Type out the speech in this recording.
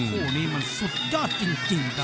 คู่นี้มันสุดยอดจริงครับ